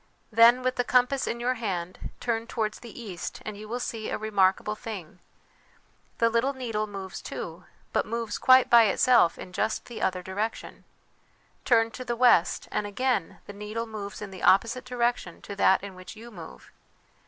" Then, with the compass in your hand, turn towards the east, and you will see a remarkable thing. The little needle moves, too, but moves quite by itself in just the other direction. Turn to the west, and again the needle moves in the opposite direction to that in which you move.